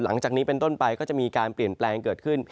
หลังจากนี้เป็นต้นไปก็จะมีการเปลี่ยนแปลงเกิดขึ้น